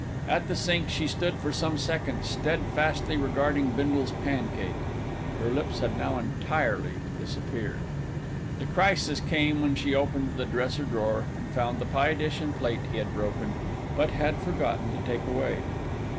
At the sink she stood for some seconds steadfastly regarding Bindle's pancake. Her lips had now entirely disappeared. The crisis came when she opened the dresser drawer and found the pie dish and plate he had broken, but had forgotten to take away.